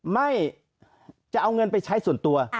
ไม่จะเอาเงินไปใช้ส่วนตัว